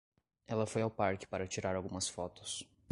Ela foi ao parque para tirar algumas fotos.